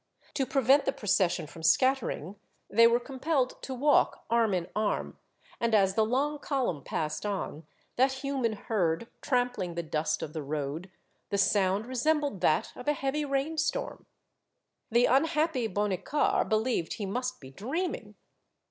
To prevent the procession from scattering, they were compelled to walk arm in arm, and as the long column passed on, that human herd trampling the dust of the road, the sound resembled that of a heavy rain storm. The unhappy Bonnicar believed he must be dreaming.